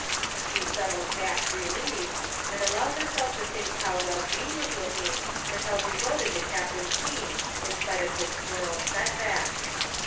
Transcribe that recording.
She settled back relieved, and allowed herself to think how well Jean was looking and how devoted the Captain seemed in spite of his floral setback.